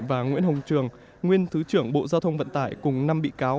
và nguyễn hồng trường nguyên thứ trưởng bộ giao thông vận tải cùng năm bị cáo